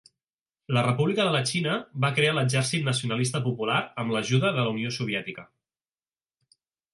La República de la Xina va crear l'exèrcit nacionalista popular amb l'ajuda de la Unió Soviètica.